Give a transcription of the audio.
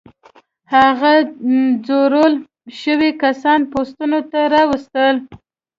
هغه ځورول شوي کسان پوستونو ته راوستل.